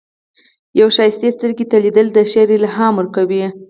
یوې ښایستې سترګې ته لیدل، د شعر الهام ورکوي.